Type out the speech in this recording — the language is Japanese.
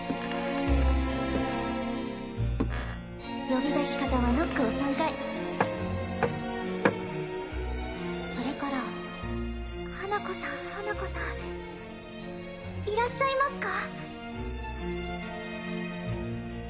呼び出し方はノックを３回・それから花子さん花子さんいらっしゃいますか？